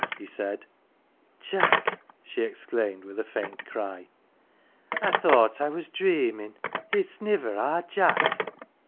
he said. " Jack !" she exclaimed, with a faint cry. " I thought I was dreamin'. It's niver our Jack